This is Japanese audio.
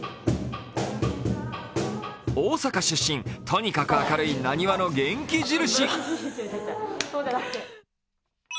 大阪出身、とにかく明るいなにわの元気印。